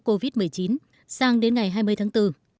covid một mươi chín sang đến ngày hai mươi tháng bốn